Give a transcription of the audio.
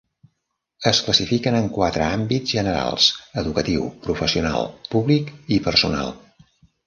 Es classifiquen en quatre àmbits generals: educatiu, professional, públic i personal.